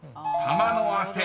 ［「玉の汗」］